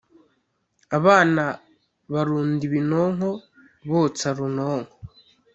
abana barunda ibinonko botsa runonko